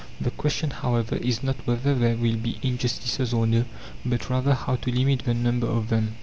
The question, however, is not whether there will be injustices or no, but rather how to limit the number of them.